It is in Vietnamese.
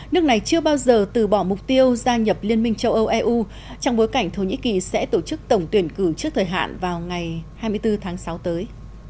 nước này chưa bao giờ từ bỏ mục tiêu gia nhập liên minh châu âu eu trong bối cảnh thổ nhĩ kỳ sẽ tổ chức tổng tuyển cử trước thời hạn vào ngày hai mươi bốn tháng sáu tới